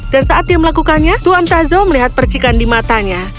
dan saat dia melakukannya tuan tasso melihat percikan di matanya